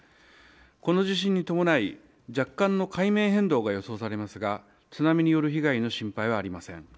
この地震に伴い、若干の海面変動が予想されますが、津波による被害の心配はございません。